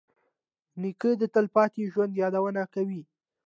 نیکه د تلپاتې ژوند یادونه کوي.